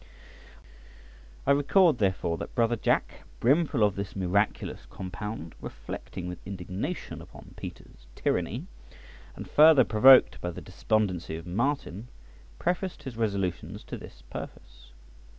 I record, therefore, that brother Jack, brimful of this miraculous compound, reflecting with indignation upon Peter's tyranny, and further provoked by the despondency of Martin, prefaced his resolutions to this purpose.